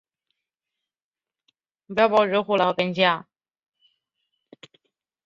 悦来镇是四川省成都市大邑县所辖的一个镇。